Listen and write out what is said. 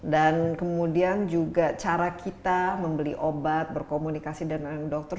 dan kemudian juga cara kita membeli obat berkomunikasi dengan dokter